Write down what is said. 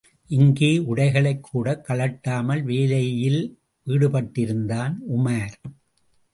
இங்கே உடைகளைக் கூடக் கழட்டாமல் வேலையில் ஈடுபட்டிருந்தான் உமார்.